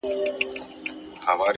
پوهه د ذهن پټې دروازې پرانیزي’